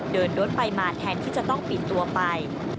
เดินรถไปมาแทนที่จะต้องปิดตัวไป